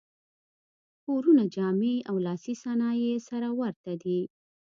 کورونه، جامې او لاسي صنایع یې سره ورته دي.